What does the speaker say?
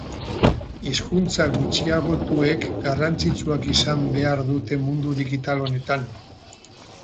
Hizkuntza gutxiagotuek garrantzitsuak izan behar dute mundu digital honetan